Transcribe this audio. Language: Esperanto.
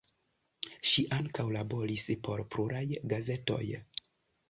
Ŝi ankaŭ laboris por pluraj gazetoj.